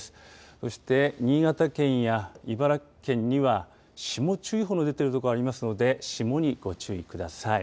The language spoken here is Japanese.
そして、新潟県や茨城県には霜注意報の出ている所ありますので、霜にご注意ください。